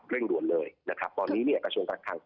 เร่งด่วนเลยตอนนี้กระชวนการคาง